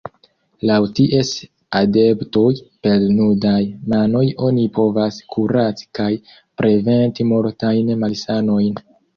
Laŭ ties adeptoj, per nudaj manoj oni povas kuraci kaj preventi multajn malsanojn.